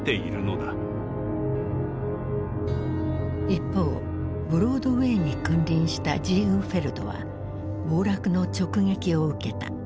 一方ブロードウェイに君臨したジーグフェルドは暴落の直撃を受けた。